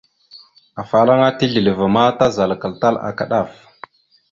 Afalaŋa tisleváma, tazalakal tal aka ɗaf.